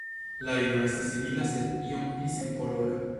La ino estas simila sed iom pli senkolora.